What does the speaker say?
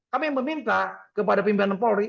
kami meminta kepada pimpinan polri